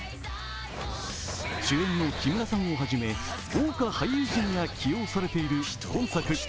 主演の木村さんをはじめ豪華俳優陣が起用されている今作。